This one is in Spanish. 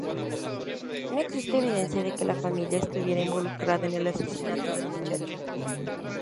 No existe evidencia de que la familia estuviera involucrada en el asesinato del muchacho.